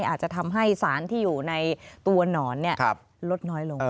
อาจจะทำให้สารที่อยู่ในตัวหนอนลดน้อยลง